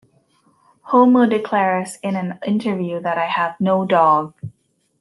Homer declares in an interview that I have no dog!